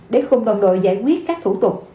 để cùng đồng đội giải quyết các thủ tục